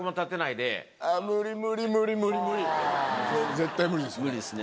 絶対無理ですね。